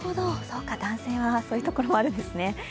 男性はそういうところもあるんですね。